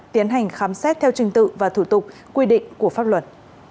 tiến hành khám xét theo trình tự và thủ tục quy định của pháp luật